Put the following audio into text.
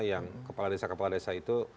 yang kepala desa kepala desa itu